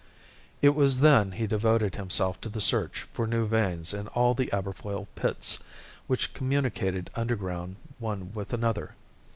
It was then he devoted himself to the search for new veins in all the Aberfoyle pits, which communicated underground one with another.